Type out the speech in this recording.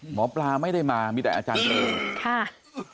หมอปราไม่ได้มามามีแต่อาจารย์เลย